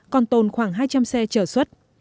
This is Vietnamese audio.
còn tồn khoảng hai trăm linh xe trở xuất